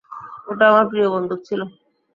ওটা আমার প্রিয় বন্দুক ছিল।